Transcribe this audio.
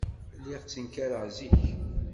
Lliɣ ttenkareɣ zik.